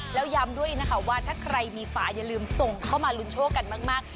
แล้วย้ำด้วยนะคะว่าถ้าใครมีฝาอย่าลืมส่งเข้ามาลุ้นโชคกันมาก